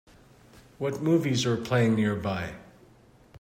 what movies are playing nearby